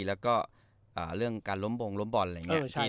แล้วก็เรื่องการล้มบงล้มบอลอะไรอย่างนี้